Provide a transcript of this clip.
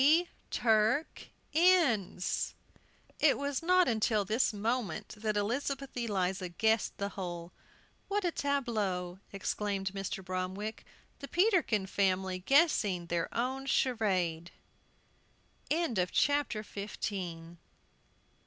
"P Turk Inns!" It was not until this moment that Elizabeth Eliza guessed the whole. "What a tableau!" exclaimed Mr. Bromwick; "the Peterkin family guessing their own charade."